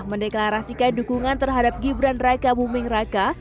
mendeklarasikan dukungan terhadap gibran raka buming raka